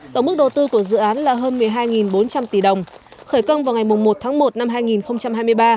tổng mức đầu tư của dự án là hơn một mươi hai bốn trăm linh tỷ đồng khởi công vào ngày một tháng một năm hai nghìn hai mươi ba